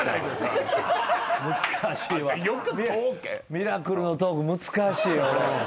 ミラクルのトーク難しいわ。